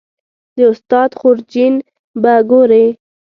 د استاد خورجین به ګورې